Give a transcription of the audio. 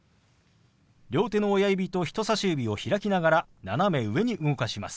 両手の親指と人さし指を開きながら斜め上に動かします。